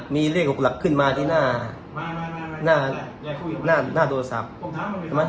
มีเลข๖หลักขึ้นมาที่หน้าโทรศัพท์